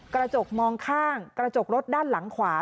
กระจกมองข้างกระจกรถด้านหลังขวา